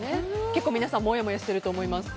結構皆さんもやもやしてると思います。